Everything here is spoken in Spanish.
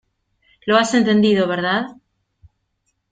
lo has entendido, ¿ verdad?